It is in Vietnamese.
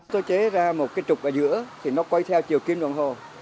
tôi chế ra một cái trục ở giữa thì nó quay theo chiều kim đồng hồ